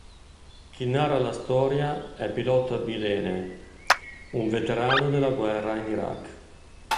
Chi narra la storia è "Pilot Abilene", un veterano della guerra in Iraq.